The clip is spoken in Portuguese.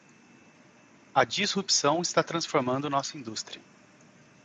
A disrupção está transformando nossa indústria.